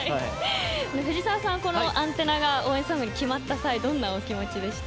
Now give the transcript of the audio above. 藤澤さん、「ＡＮＴＥＮＮＡ」が応援ソングに決まった際どんなお気持ちでした？